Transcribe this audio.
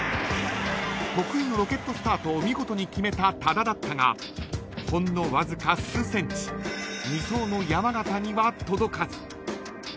［得意のロケットスタートを見事に決めた多田だったがほんのわずか数センチ二走の山縣には届かず］